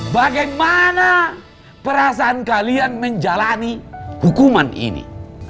bagaimana perasaan kalian menjalani hukuman ini